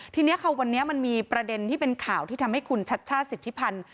ทีนี้ค่ะวันนี้มันมีประเด็นที่เป็นข่าวที่ทำให้คุณชัชชาติสิทธิพันธ์